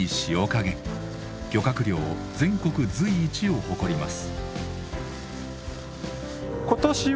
漁獲量全国随一を誇ります。